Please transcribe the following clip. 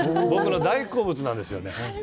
僕の大好物なんですよね。